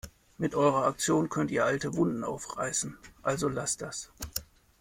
Mit eurer Aktion könntet ihr alte Wunden aufreißen, also lasst das!